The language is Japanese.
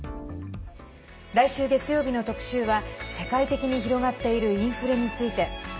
来週月曜日の特集は、世界的に広がっているインフレについて。